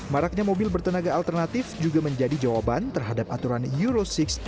maraknya mobil bertenaga alternatif juga menjadi jawaban terhadap aturan euro enam dua ribu lima belas